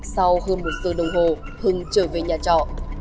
sau hơn một giờ đồng hồ hưng trở về nhà trọ